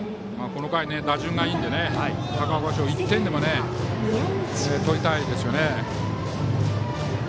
この回、打順がいいので高岡商業は１点でも取りたいですね。